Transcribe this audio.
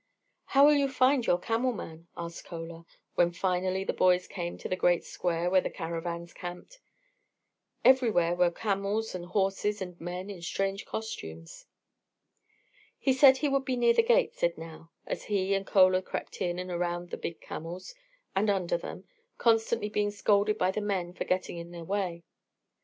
"How will you find your camel man?" asked Chola, when finally the boys came to the great square where the caravans camped. Everywhere were camels and horses and men in strange costumes. "He said he would be near the great gate," said Nao, as he and Chola crept in and around the big camels and under them, constantly being scolded by the men for getting in their way.